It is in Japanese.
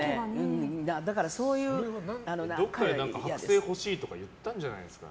それはどこかで剥製欲しいとか言ったんじゃないですか。